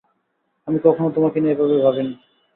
আমি কখনো তোমাকে নিয়ে এভাবে ভাবিনি।